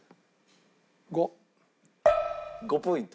５。５ポイント？